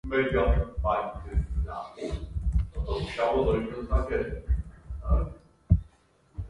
The Union dispatched a fleet to Hampton Roads to enforce the blockade.